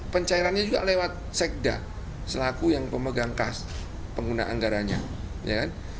pencairannya juga lewat sekda selaku yang pemegang kas pengguna anggaranya